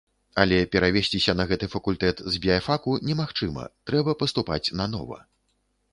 Але перавесціся на гэты факультэт з біяфаку немагчыма, трэба паступаць нанова.